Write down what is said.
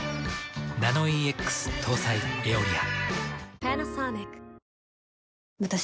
ナノイーＸ搭載「エオリア」。